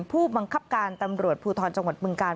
ผู้บังคับการตำรวจภูทรจังหวัดบึงกาล